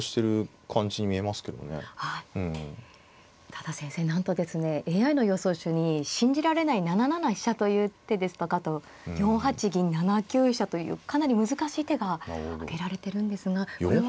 ただ先生なんとですねＡＩの予想手に信じられない７七飛車という手ですとかあと４八銀７九飛車というかなり難しい手が挙げられてるんですがこれは。